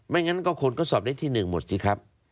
ไม่งั้นคนก็สอบได้ที่หนึ่งหมดสิครับ